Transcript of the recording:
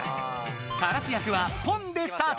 カラス役はポンでスタート！